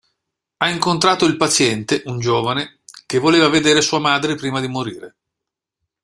Ha incontrato il paziente, un giovane, che voleva vedere sua madre prima di morire.